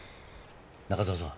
中澤さん